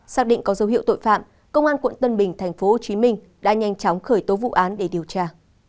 xác định có dấu hiệu tội phạm công an quận tân bình tp hcm đã nhanh chóng khởi tố vụ án để điều tra